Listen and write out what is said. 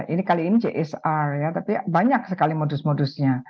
ini kali ini csr ya tapi banyak sekali modus modusnya